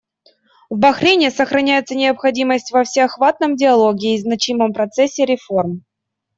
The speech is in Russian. В Бахрейне сохраняется необходимость во всеохватном диалоге и значимом процессе реформ.